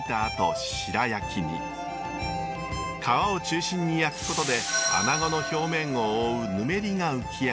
皮を中心に焼くことでアナゴの表面を覆うぬめりが浮き上がります。